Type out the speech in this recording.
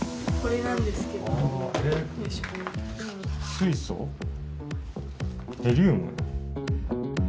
「水素」「ヘリウム」？